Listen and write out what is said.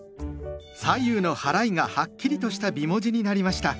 左右のはらいがはっきりとした美文字になりました。